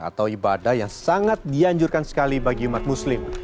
atau ibadah yang sangat dianjurkan sekali bagi umat muslim